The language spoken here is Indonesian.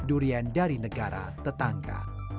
durian dari negara tetangga